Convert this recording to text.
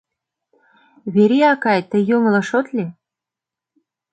Верий акай, тый йоҥылыш от лий?